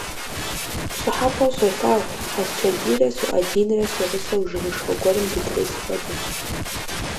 ПщӀыхьэпӀэу солъагъу: Асчэрбийрэ СуӀэдинрэ си гъусэу жыгышхуэ гуэрым дытес хуэдэт.